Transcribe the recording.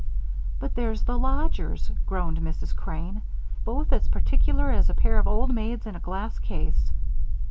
"But there's the lodgers," groaned Mrs. Crane, "both as particular as a pair of old maids in a glass case.